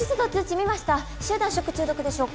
見ました集団食中毒でしょうか？